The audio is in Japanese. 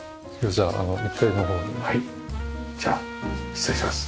じゃあ失礼します。